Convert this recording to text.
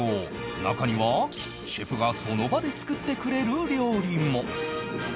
中にはシェフがその場で作ってくれる料理も